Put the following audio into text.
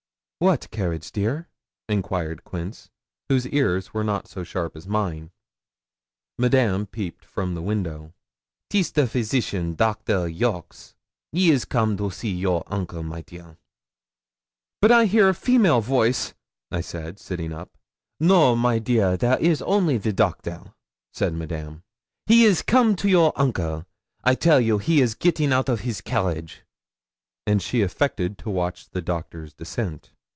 'What carriage, dear?' inquired Quince, whose ears were not so sharp as mine. Madame peeped from the window. ''Tis the physician, Doctor Jolks. He is come to see your uncle, my dear,' said Madame. 'But I hear a female voice,' I said, sitting up. 'No, my dear; there is only the doctor,' said Madame. 'He is come to your uncle. I tell you he is getting out of his carriage,' and she affected to watch the doctor's descent.